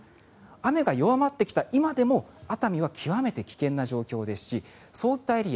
雨が弱まってきた今でも熱海は極めて危険な状況ですしそういったエリア